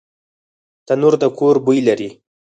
تنور د کور بوی لري